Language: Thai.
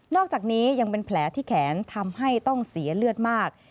อกจากนี้ยังเป็นแผลที่แขนทำให้ต้องเสียเลือดมาก